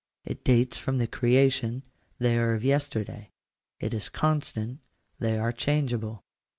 It dates from the creation ; they are of yesterday. It is constant; they are changeable.